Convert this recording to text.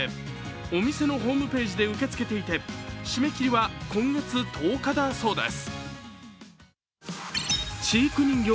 お店のホームページで受け付けていて締め切りは今月１０日だそうです。